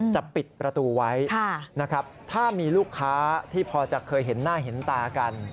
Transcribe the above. จะปิดประตูไว้นะครับถ้ามีลูกค้าที่พอจะเคยเห็นหน้าเห็นตากัน